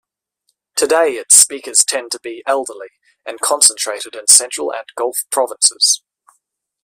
Today its speakers tend to be elderly, and concentrated in Central and Gulf provinces.